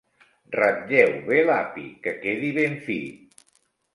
Ratlleu bé l'api, que quedi ben fi.